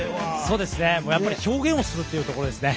やはり表現をするというところですね。